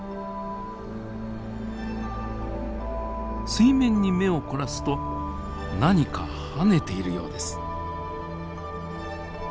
水面に目を凝らすと何か跳ねているようです。